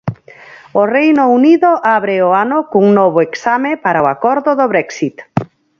O Reino Unido abre o ano cun novo exame para o acordo do Brexit.